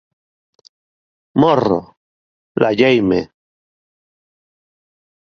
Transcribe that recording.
Morro! –laieime.